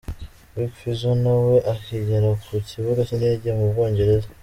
Big Fizzo nawe akigera ku kibuga cy'indege mu Bwongereza.